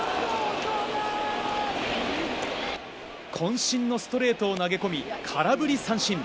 渾身のストレートを投げ込み、空振り三振。